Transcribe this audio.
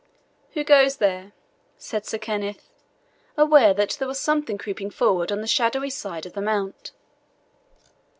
"Who goes there?" said Sir Kenneth, aware that there was something creeping forward on the shadowy side of the mount.